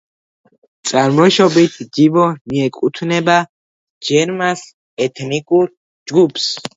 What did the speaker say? წარმოშობით ჯიბო მიეკუთვნება ჯერმას ეთნიკურ ჯგუფს.